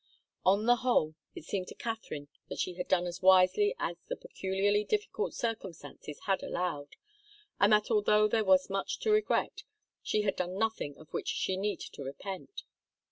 On the whole, it seemed to Katharine that she had done as wisely as the peculiarly difficult circumstances had allowed, and that although there was much to regret, she had done nothing of which she needed to repent.